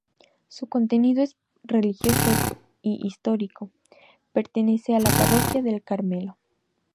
Su contenido es religioso y histórico, pertenece a la Parroquia del Carmelo.